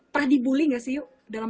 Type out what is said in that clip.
pernah dibully nggak sih yuk dalam